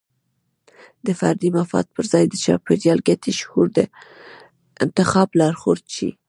د فردي مفاد پر ځای د چاپیریال ګټې شعور د انتخاب لارښود شي.